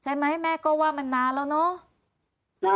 แม่ก็ว่ามันนานแล้วเนาะ